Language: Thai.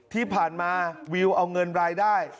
ที่ผ่านมาวิวเอาเงินรายได้